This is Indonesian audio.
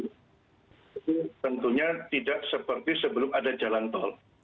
tapi tentunya tidak seperti sebelum ada jalan tol